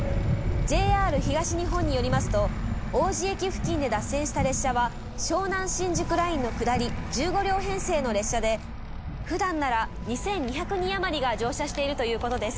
ＪＲ東日本によりますと王子駅付近で脱線した列車は湘南新宿ラインの下り１５両編成の列車でふだんなら２，２００人余りが乗車しているということです。